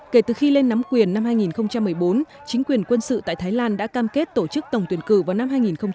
kể từ khi lên nắm quyền năm hai nghìn một mươi bốn chính quyền quân sự tại thái lan đã cam kết tổ chức tổng tuyển cử vào năm hai nghìn một mươi năm